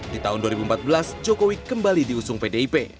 di tahun dua ribu empat belas jokowi kembali diusung pdip